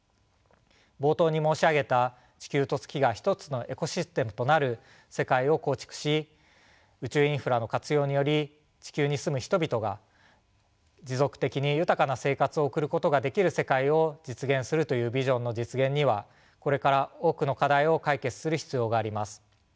冒頭に申し上げた地球と月が一つのエコシステムとなる世界を構築し宇宙インフラの活用により地球に住む人々が持続的に豊かな生活を送ることができる世界を実現するというビジョンの実現にはこれから多くの課題を解決する必要があります。